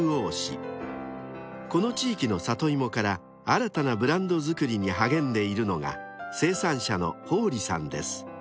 ［この地域のサトイモから新たなブランド作りに励んでいるのが生産者の宝利さんです］